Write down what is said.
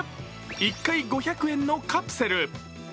１回５００円のカプセル。